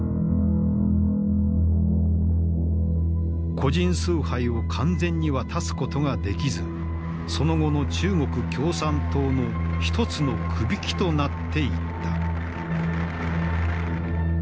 個人崇拝を完全には断つことができずその後の中国共産党の一つのくびきとなっていった。